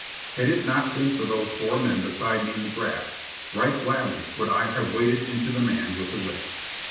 Had it not been for those four men beside me in the grass, right gladly would I have waded into the man with the whip.